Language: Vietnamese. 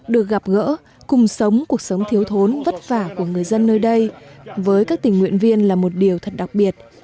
được gặp gỡ cùng sống cuộc sống thiếu thốn vất vả của người dân nơi đây với các tình nguyện viên là một điều thật đặc biệt